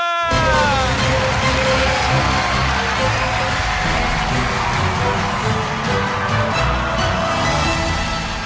เลย